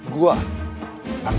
lo tau kenapa